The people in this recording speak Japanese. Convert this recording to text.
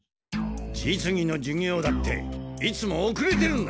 実技の授業だっていつもおくれてるんだ。